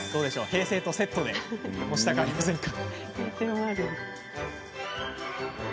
平成とセットで持ちたくなりませんか？